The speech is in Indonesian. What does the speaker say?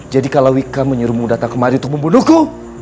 jadi kalawika menyuruhmu datang kemari untuk membunuhku